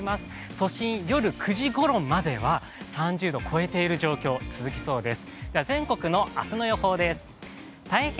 都心、夜９時ごろまでは３０度を超える状況が続きそうです。